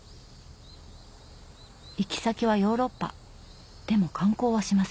行き先はヨーロッパでも観光はしません。